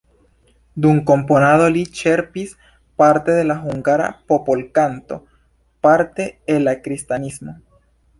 Dum komponado li ĉerpis parte el la hungara popolkanto, parte el la kristanismo.